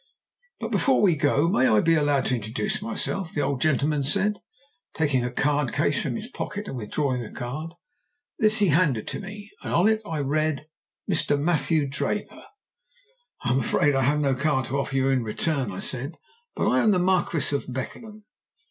"'But before we go, may I be allowed to introduce myself?' the old gentleman said, taking a card case from his pocket and withdrawing a card. This he handed to me, and on it I read 'Mr. Mathew Draper.' "'I am afraid I have no card to offer you in return,' I said; 'but I am the Marquis of Beckenham.'